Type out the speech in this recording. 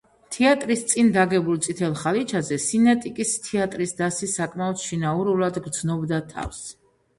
თეატრის წინ დაგებულ წითელ ხალიჩაზე სინეტიკის თეატრის დასი საკმაოდ შინაურულად გრძნობდა თავს.